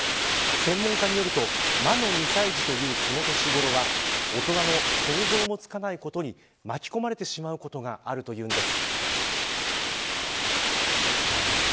専門家によると、魔の２歳児というこの年頃は大人の想像もつかないことに巻き込まれてしまうことがあるというんです。